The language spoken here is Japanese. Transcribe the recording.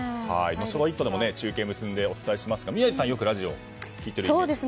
「イット！」でも中継を結んでお伝えしますが宮司さん、よくラジオ聴いてるイメージですが。